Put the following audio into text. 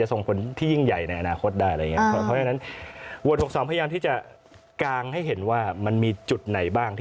เราก็ยินดีที่จะไปจัดการต่อ